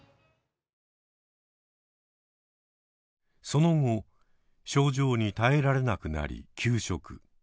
その後症状に耐えられなくなり休職。